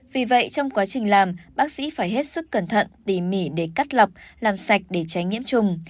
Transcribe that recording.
vì vậy trong quá trình làm bác sĩ phải hết sức cẩn thận tỉ mỉ để cắt lọc làm sạch để tránh nhiễm trùng